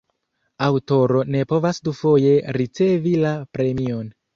Aŭtoro ne povas dufoje ricevi la premion.